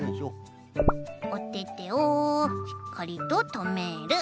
おててをしっかりととめる。